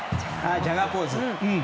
ジャガーポーズ。